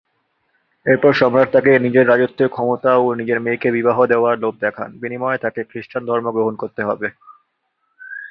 এরপর সম্রাট তাকে নিজের রাজত্বের ক্ষমতা ও নিজের মেয়েকে বিবাহ দেওয়ার লোভ দেখান, বিনিময়ে তাকে খ্রিষ্টান ধর্ম গ্রহণ করতে হবে।